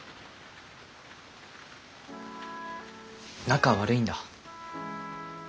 仲悪いんだ。